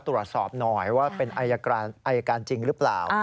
ตรวจสอบหน่อยว่าเป็นอายการจริงหรือเปล่า